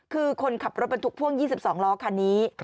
คือคนขับรถบรรทุกพ่วง๒๒ล้อคันนี้